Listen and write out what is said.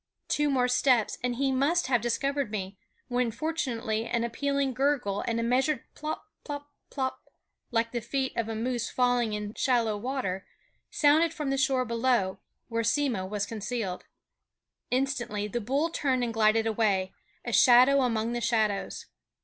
Two more steps and he must have discovered me, when fortunately an appealing gurgle and a measured plop, plop, plop like the feet of a moose falling in shallow water sounded from the shore below, where Simmo was concealed. Instantly the bull turned and glided away, a shadow among the shadows.